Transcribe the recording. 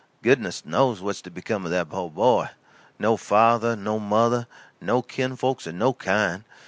Goodness knows what's to become o' that po' boy. No father, no mother, no kin folks of no kind.